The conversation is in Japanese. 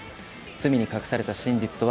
罪に隠された真実とは。